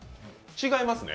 違いますね。